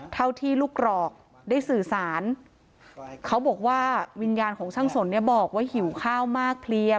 เท่าที่ลูกกรอกได้สื่อสารเขาบอกว่าวิญญาณของช่างสนเนี่ยบอกว่าหิวข้าวมากเพลีย